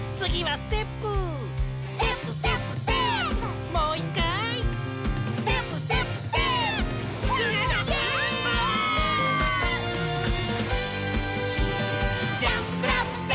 ステップ！